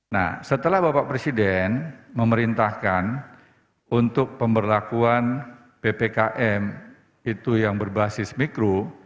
nah setelah bapak presiden memerintahkan untuk pemberlakuan ppkm itu yang berbasis mikro